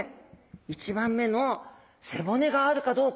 １番目の背骨があるかどうか。